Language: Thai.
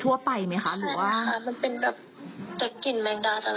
มันเป็นแบบกล่ากลิ่นแมลงดาจะแรงมากเลยค่ะ